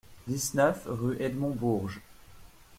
dix-neuf rue Edmond Bourges